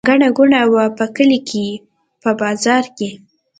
ګڼه ګوڼه وه په کلي په بازار کې.